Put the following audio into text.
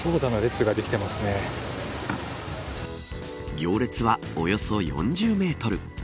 行列は、およそ４０メートル。